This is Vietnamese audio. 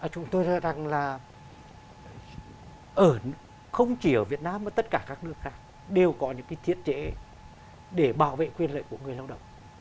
chúng tôi ra rằng là không chỉ ở việt nam mà tất cả các nước khác đều có những thiết chế để bảo vệ quyền lợi của người lao động